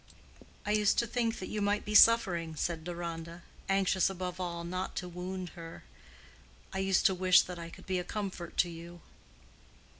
"I used to think that you might be suffering," said Deronda, anxious above all not to wound her. "I used to wish that I could be a comfort to you."